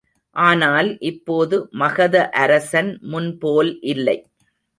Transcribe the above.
ஆனால் இப்போது மகத அரசன் முன்போல் இல்லை.